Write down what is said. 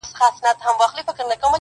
خو پر زړه مي سپين دسمال د چا د ياد.